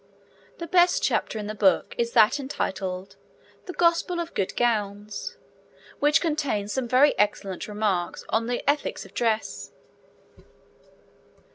The best chapter in the book is that entitled 'The Gospel of Good Gowns,' which contains some very excellent remarks on the ethics of dress.